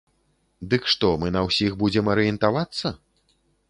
Дык што, мы на ўсіх будзем арыентавацца?